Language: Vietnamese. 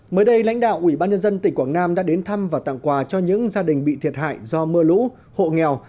mới đây lãnh đạo ủy ban nhân dân tỉnh quảng nam đã đến thăm và tặng quà cho những gia đình bị thiệt hại do mưa lũ hộ nghèo